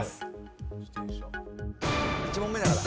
１問目だから。